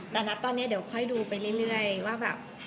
แต่นะตอนนี้เดี๋ยวค่อยดูไปเรื่อยว่าแบบ